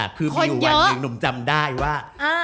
คนเยอะคือมีวันหนึ่งหนุ่มจำได้ว่า